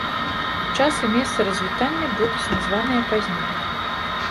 Час і месца развітання будуць названыя пазней.